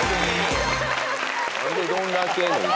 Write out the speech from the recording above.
・何で「どんだけ」の言い方。